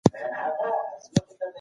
حقیقت موندنه د بشریت لویه هیله ده.